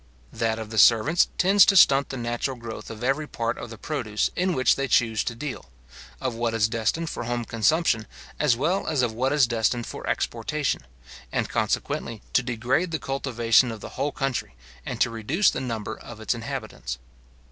That of the servants tends to stunt the natural growth of every part of the produce in which they choose to deal; of what is destined for home consumption, as well as of what is destined for exportation; and consequently to degrade the cultivation of the whole country, and to reduce the number of its inhabitants.